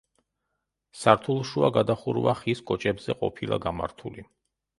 სართულშუა გადახურვა ხის კოჭებზე ყოფილა გამართული.